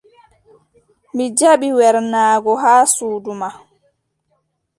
Mi jaɓi wernaago haa suudu ma.